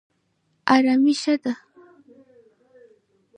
ارامي ښه ده.